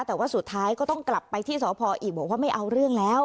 แต่ว่าสุดท้ายก็ต้องกลับไปที่สพอีกบอกว่าไม่เอาเรื่องแล้ว